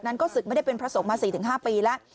ถึงไม่ได้เป็นพระสงฆ์มา๔๕ปีแล้ว